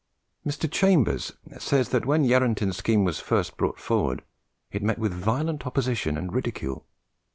Mr. Chambers says that when Yarranton's scheme was first brought forward, it met with violent opposition and ridicule.